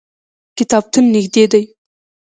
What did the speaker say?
کتابتون نږدې دی